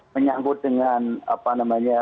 menyanggut dengan apa namanya